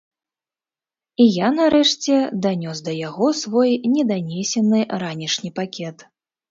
І я, нарэшце, данёс да яго свой неданесены ранішні пакет.